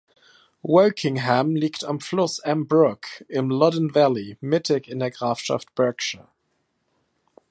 Wokingham liegt am Fluss Emm Brook im Loddon Valley mittig in der Grafschaft Berkshire.